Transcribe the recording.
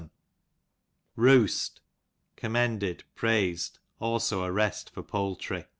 Roost, commended^ praised^ also a rest for poultry.